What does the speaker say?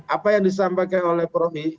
apa yang disampaikan oleh prof ikam tadi